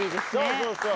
そうそうそう。